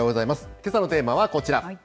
けさのテーマはこちら。